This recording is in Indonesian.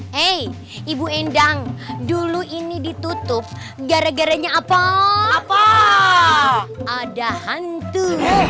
hey ibu endang dulu ini ditutup gara gara nya apa apa ada hantu